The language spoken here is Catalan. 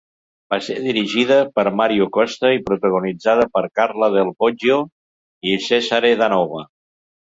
Va ser dirigida per Mario Costa i protagonitzada per Carla Del Poggio i Cesare Danova.